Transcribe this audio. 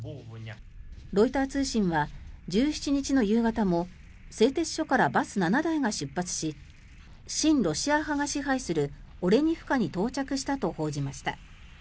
ロイター通信は１７日の夕方も製鉄所からバス７台が出発し親ロシア派が支配するオレニフカに到着したと報じました。